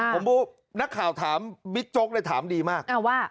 ผมรู้นักข่าวถามบิ๊กโจ๊คได้ถามดีมาก